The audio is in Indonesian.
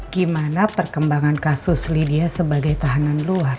gimana perkembangan kasus lydia sebagai tahanan luar